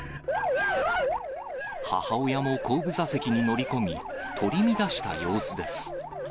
母親も後部座席に乗り込み、取り乱した様子です。